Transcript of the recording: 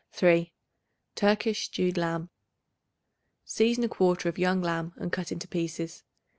3. Turkish Stewed Lamb. Season a quarter of a young lamb and cut into pieces.